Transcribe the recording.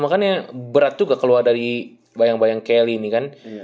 makanya berat juga keluar dari bayang bayang kelly ini kan